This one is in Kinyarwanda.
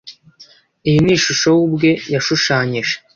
Iyi ni ishusho we ubwe yashushanyije.